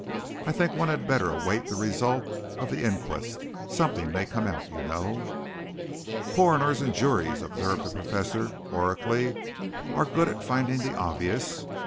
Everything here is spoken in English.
I think one had better await the result of the inquest. Something may come out, you know." "Coroners and juries," observed the Professor oracularly, "are good at finding the obvious.